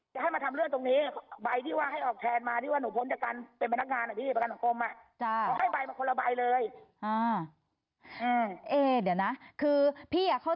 เขาให้มาทำ่เรื่องตรงนี้